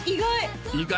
意外！